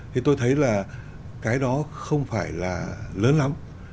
thì tôi thấy là cái đó không phải là lớn lắm